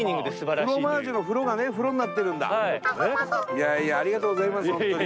いやいやありがとうございます本当に。